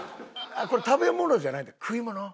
これ「食べ物」じゃないんだ「食い物」・。